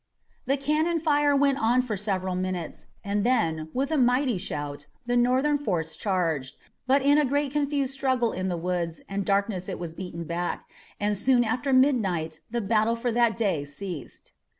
The cannon fire went on for several minutes, and then, with a mighty shout, the Northern force charged, but in a great confused struggle in the woods and darkness it was beaten back, and soon after midnight the battle for that day ceased.